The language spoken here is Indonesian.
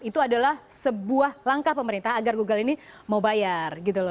itu adalah sebuah langkah pemerintah agar google ini mau bayar gitu loh